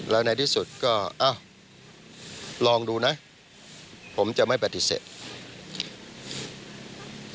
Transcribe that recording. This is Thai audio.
แล้วในที่สุดก็เอ้าลองดูนะผมจะไม่ปฏิเสธ